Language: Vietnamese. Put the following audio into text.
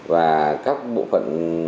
và các bộ phận